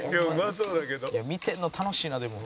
「見てるの楽しいなでも」